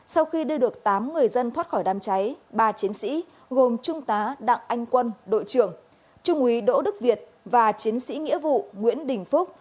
sau khi đưa được tám người dân thoát khỏi đám cháy ba chiến sĩ gồm trung tá đặng anh quân đội trưởng trung úy đỗ đức việt và chiến sĩ nghĩa vụ nguyễn đình phúc